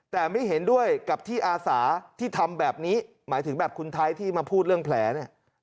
แต่ไม่เห็นด้วยกับที่อาสาที่ทำแบบนี้หมายถึงแบบคุณไทยที่มาพูดเรื่องแผลเนี่ย